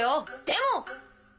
でも！